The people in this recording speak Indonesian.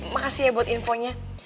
makasih ya buat infonya